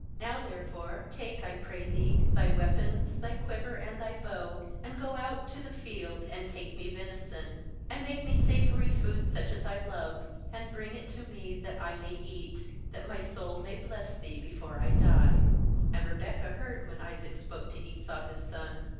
3Now therefore take, I pray thee, thy weapons, thy quiver and thy bow, and go out to the field, and take me venison; *and make me savoury food, such as I love, and bring it to me, that I may eat; that my soul may bless thee before I die.' 5And Rebekah heard when Isaac spoke to Esau his son.